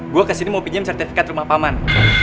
gue kesini mau pinjam sertifikat rumah paman